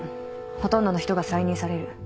ほとんどの人が再任される。